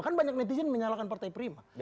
kan banyak netizen menyalahkan partai prima